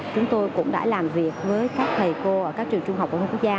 chúng tôi cũng đã làm việc với các thầy cô ở các trường trung học của hông quốc gia